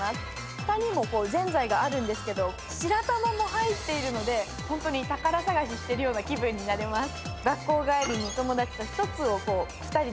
下にもぜんざいがあるんですけども、白玉が入っているので本当に宝探ししているような気分になれます。